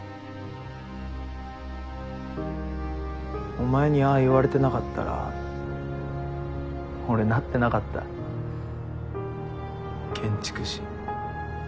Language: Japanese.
お前にああ言われてなかったら俺なってなかった建築士。